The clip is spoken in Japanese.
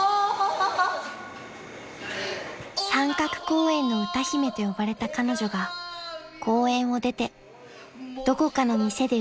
［三角公園の歌姫と呼ばれた彼女が公園を出てどこかの店で歌い始めた］